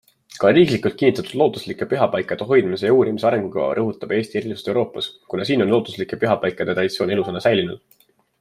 Ka riiklikult kinnitatud looduslike pühapaikade hoidmise ja uurimise arengukava rõhutab Eesti erilisust Euroopas, kuna siin on looduslike pühapaikade traditsioon elusana säilinud.